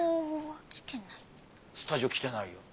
スタジオ来てないよ。